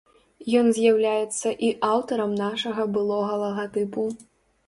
Ён з'яўляецца і аўтарам нашага былога лагатыпу.